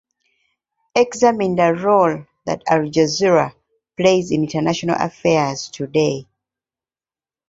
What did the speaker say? Examine the role that Al-Jazeera plays in international affairs today.